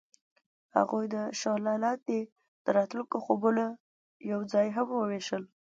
هغوی د شعله لاندې د راتلونکي خوبونه یوځای هم وویشل.